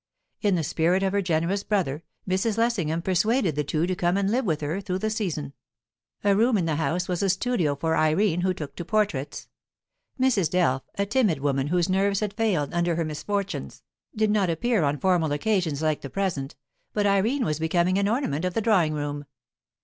In the spirit of her generous brother, Mrs. Lessingham persuaded the two to come and live with her through the season; a room in the house was a studio for Irene, who took to portraits. Mrs. Delph, a timid woman whose nerves had failed under her misfortunes, did not appear on formal occasions like the present, but Irene was becoming an ornament of the drawing room.